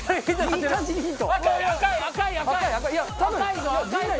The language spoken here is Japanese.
いい感じにヒント。